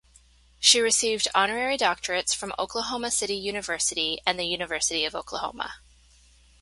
She received Honorary Doctorates from Oklahoma City University and The University of Oklahoma.